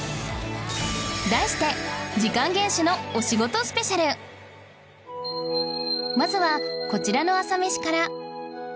題してまずはこちらの朝メシから